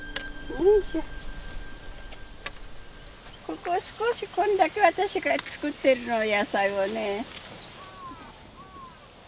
ここ少しこんだけ私が作ってるの野菜をね。